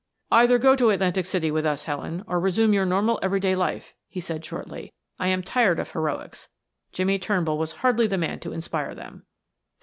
"Either go to Atlantic City with us, Helen, or resume your normal, everyday life," he said shortly. "I am tired of heroics; Jimmie Turnbull was hardly the man to inspire them."